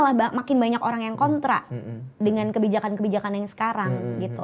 malah makin banyak orang yang kontra dengan kebijakan kebijakan yang sekarang gitu